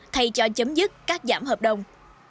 thay cho chấm dứt các giảm hợp đồng